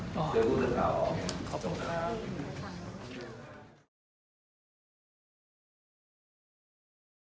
เจอพูดเรื่องข่าวเหรอ